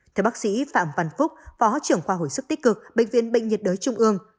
theo bác sĩ phạm văn phúc phó trưởng khoa hồi sức tích cực bệnh viện bệnh nhiệt đới trung ương